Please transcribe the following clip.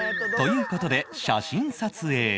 という事で写真撮影へ